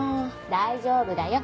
大丈夫だよ。